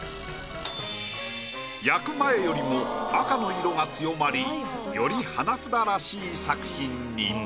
焼く前よりも赤の色が強まりより花札らしい作品に。